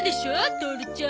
トオルちゃん。